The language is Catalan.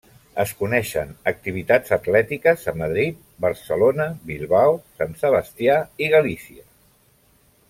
Es coneixen activitats atlètiques a Madrid, Barcelona, Bilbao, Sant Sebastià i Galícia.